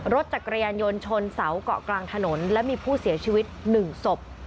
รถจักรยานยนต์ชนเสาเกาะกลางถนนและมีผู้เสียชีวิต๑ศพ